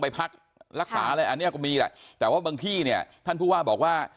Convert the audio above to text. ไปพักรักษาอะไรอันนี้ก็มีแหละแต่ว่าบางที่เนี่ยท่านผู้ว่าบอกว่า